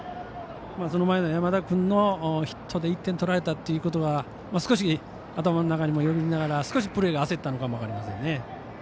その前の山田君のヒットで１点取られたということが少し、頭の中にもよぎりながら少しプレー焦ったのかも分かりません。